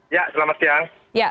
ya selamat siang